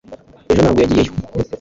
ejo ntabwo yagiyeyo